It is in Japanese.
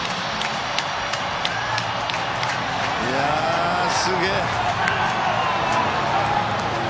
いや、すげえ。